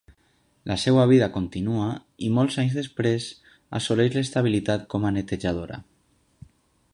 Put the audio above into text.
La seva vida continua i molts anys després assoleix l’estabilitat com a netejadora.